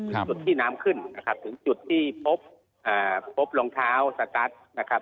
ถึงจุดที่น้ำขึ้นนะครับถึงจุดที่พบพบรองเท้าสกัดนะครับ